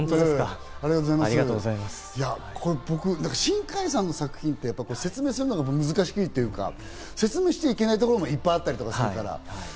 新海さんの作品って、説明するのが難しいというか、説明しちゃいけないところもいっぱいあったりするから。